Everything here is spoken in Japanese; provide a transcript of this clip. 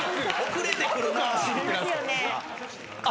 遅れてくるな！